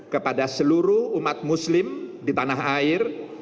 kepada seluruh umat muslim di tanah air